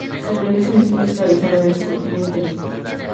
Se realizan estudios para desarrollar su cultivo intensivo.